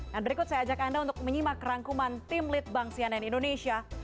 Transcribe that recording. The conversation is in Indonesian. dan berikut saya ajak anda untuk menyimak rangkuman tim lead bang sianen indonesia